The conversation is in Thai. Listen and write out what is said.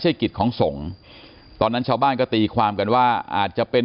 ใช่กิจของสงฆ์ตอนนั้นชาวบ้านก็ตีความกันว่าอาจจะเป็น